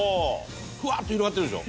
フワッと広がってるでしょ？